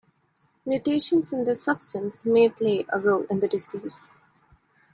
Mutations in this substance may play a role in the disease.